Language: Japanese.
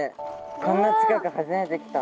こんな近く初めて来た。